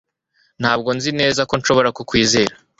ntabwo nzi neza ko nshobora kukwizera